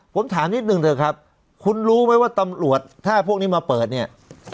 ผมถามนิดนึงเถอะครับคุณรู้ไหมว่าตำรวจถ้าพวกนี้มาเปิดเนี่ย